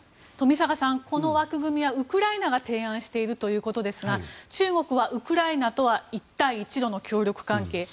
富坂さん、この枠組みはウクライナが提案しているということですが中国はウクライナとは一帯一路の協力関係。